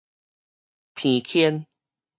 鼻圈